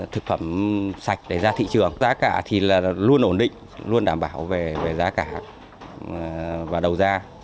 thực phẩm sạch để ra thị trường giá cả thì luôn ổn định luôn đảm bảo về giá cả và đầu ra